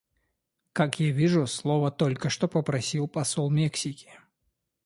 Как я вижу, слова только что попросил посол Мексики.